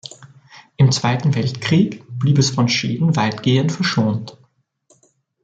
Im Zweiten Weltkrieg blieb es von Schäden weitgehend verschont.